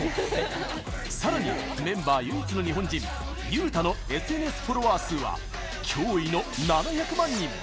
さらに、メンバー唯一の日本人ユウタのＳＮＳフォロワー数は脅威の７００万人。